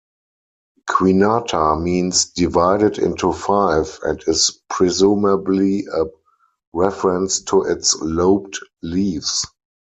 'Quinata' means 'divided into five', and is presumably a reference to its lobed leaves.